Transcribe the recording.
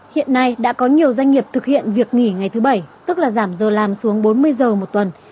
hiện nay đã có nhiều doanh nghiệp thực hiện việc nghỉ ngày thứ bảy tức là giảm giờ làm xuống bốn mươi giờ một tuần